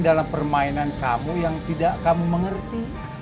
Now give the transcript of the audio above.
dalam permainan kamu yang tidak kamu mengerti